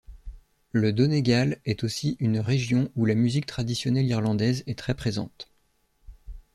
Le Donegal est aussi une région où la musique traditionnelle irlandaise est très présente.